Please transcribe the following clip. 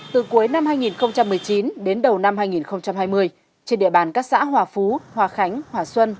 từ cuối năm hai nghìn một mươi chín đến đầu năm hai nghìn hai mươi trên địa bàn các xã hòa phú hòa khánh hòa xuân